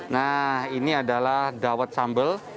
nah ini adalah dawet sambal